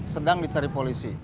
sedang dicari polisi